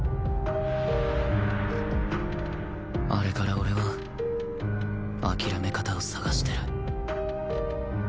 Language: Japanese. あれから俺は諦め方を探してる